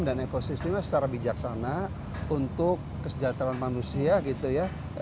dan ekosistemnya secara bijaksana untuk kesejahteraan manusia gitu ya